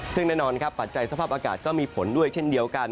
ซึ่งแน่นอนครับปัจจัยสภาพอากาศก็มีผลด้วยเช่นเดียวกัน